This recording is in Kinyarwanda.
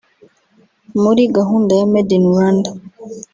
muri gahunda ya Made in Rwanda